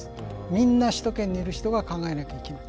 みんな首都圏にいる人が考えなきゃいけない。